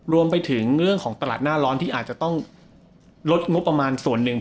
รวมถึงเรื่องของตลาดหน้าร้อนที่อาจจะต้องลดงบประมาณส่วนหนึ่ง